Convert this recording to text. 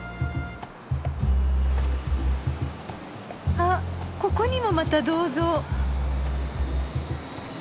あっここにもまた銅像。